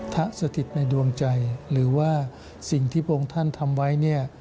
ถ้าสะทิดในดวงใจหรือว่าสิ่งที่พวกท่านทำไว้